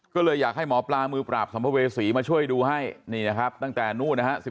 ก็เลยอยากให้หมอปลามือปราบสัมภเวษีมาช่วยดูให้นี่นะครับตั้งแต่นู้นนะฮะ